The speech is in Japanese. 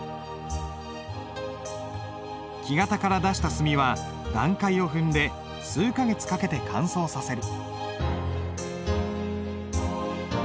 木型から出した墨は段階を踏んで数か月かけて乾燥させる。